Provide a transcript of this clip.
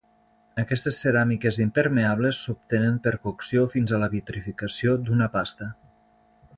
Aquestes ceràmiques impermeables s'obtenen per cocció fins a la vitrificació d'una pasta.